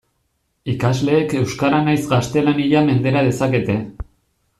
Ikasleek euskara nahiz gaztelania mendera dezakete.